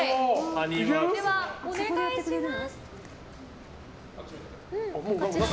では、お願いします。